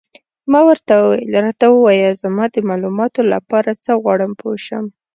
ما ورته وویل: راته ووایه، زما د معلوماتو لپاره، زه غواړم پوه شم.